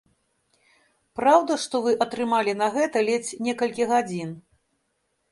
Праўда, што вы атрымалі на гэта ледзь некалькі гадзін?